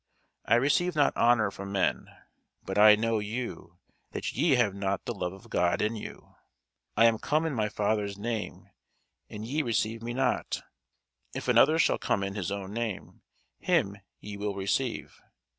I receive not honour from men. But I know you, that ye have not the love of God in you. I am come in my Father's name, and ye receive me not: if another shall come in his own name, him ye will receive.